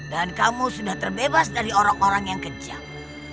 dan kamu sudah terbebas dari orang orang yang kejam